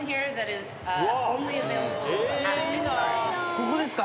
ここですか？